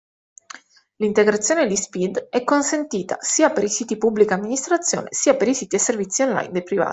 L'integrazione di SPID è consentita sia per i siti Pubblica Amministrazione, sia per i siti e servizi online dei privati.